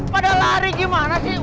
pada lari gimana sih